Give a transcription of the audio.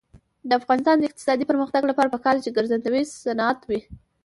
د افغانستان د اقتصادي پرمختګ لپاره پکار ده چې ګرځندوی صنعت وي.